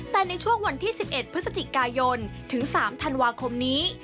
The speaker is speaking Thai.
แต่ในช่วงวันที่๑๑พฤศจิกายนถึง๓ธันวาคมนี้